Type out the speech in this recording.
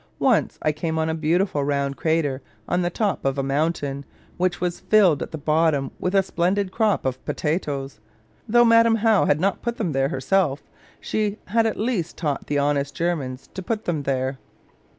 Once I came on a beautiful round crater on the top of a mountain, which was filled at the bottom with a splendid crop of potatoes. Though Madam How had not put them there herself, she had at least taught the honest Germans to put them there.